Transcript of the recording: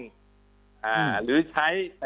ครับ